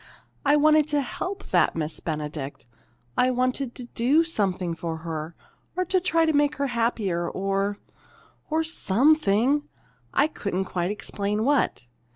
I wanted to help that Miss Benedict. I wanted to do something for her, or try to make her happier, or or something, I couldn't quite explain what.